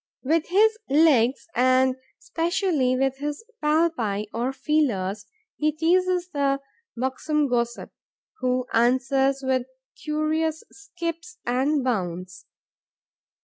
With his legs and especially with his palpi, or feelers, he teases the buxom gossip, who answers with curious skips and bounds.